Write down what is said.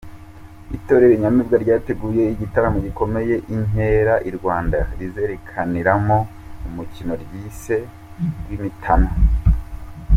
Itorero Inyamibwa ryateguye igitaramo gikomeye 'Inkera i Rwanda' rizerekaniramo umukino ryise rw'Imitana